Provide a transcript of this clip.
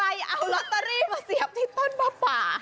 ใครเอาลอตเตอรี่มาเสียบที่ต้นผ้าป่า